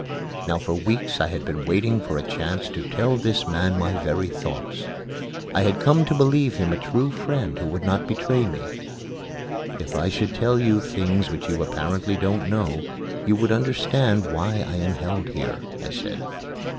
Now for weeks I had been waiting for a chance to tell this man my very thoughts. I had come to believe him a true friend who would not betray me. "If I should tell you things which you apparently don't know, you would understand why I am held here," I said.